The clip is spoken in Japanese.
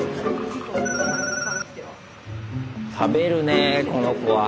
食べるねぇこの子は。